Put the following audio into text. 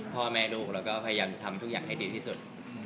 พ่อแม่ลูกเราก็พยายามจะทำทุกอย่างให้ดีที่สุด